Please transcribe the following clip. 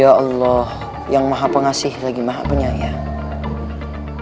ya allah yang maha pengasih lagi maha penyayang